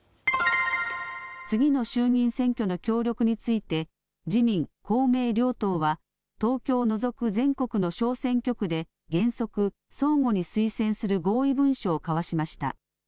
次の衆議院選挙の協力について自民公明両党は東京を除く全国の小選挙区で原則、相互に推薦する合意文書を交わしました。